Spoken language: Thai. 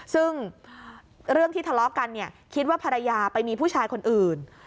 ซึ่งเรื่องที่ทะเลาะกันเนี่ยคิดว่าภรรยาไปมีผู้ชายคนอื่น